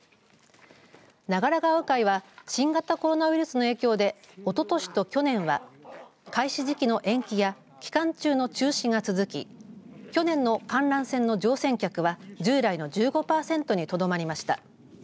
長良川鵜飼は新型コロナウイルスの影響でおととしと去年は開始時期の延期や期間中の中止が続き去年の観覧船の乗船客は従来の１５パーセントにとどまりました。